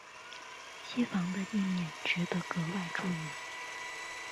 机房的立面值得格外注意。